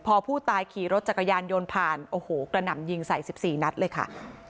พอผู้ตายขี่รถจักรยานยนต์ผ่านโอ้โหกระหน่ำยิงใส่๑๔นัดเลยค่ะ